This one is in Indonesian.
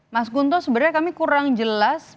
mas gunto sebenarnya kami kurang jelas bisa mengetahui